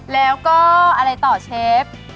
แล้วก็อะไรต่อเชฟ